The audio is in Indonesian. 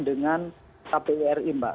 dengan kpuri mbak